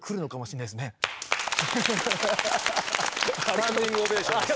スタンディングオベーションです。